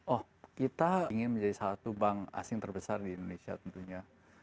oh kita ingin menjadi satu bank asing terbesar di indonesia tentunya